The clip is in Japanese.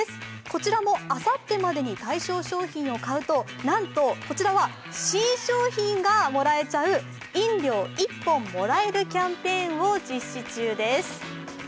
こちらもあさってまでに対象商品を買うと、なんとこちらは新商品がもらえちゃう飲料１本もらえるキャンペーンを実施中です。